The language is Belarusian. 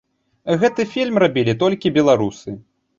Гэты фільм рабілі толькі беларусы.